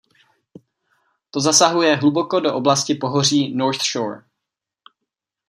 To zasahuje hluboko do oblasti pohoří North Shore.